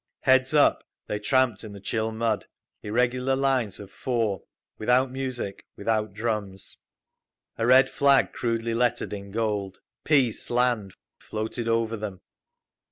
Heads up they tramped in the chill mud, irregular lines of four, without music, without drums. A red flag crudely lettered in gold, "Peace! Land!" floated over them.